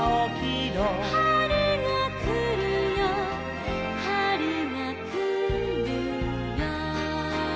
「はるがくるよはるがくるよ」